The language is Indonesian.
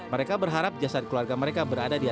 mereka berharap jasadnya tidak akan terjadi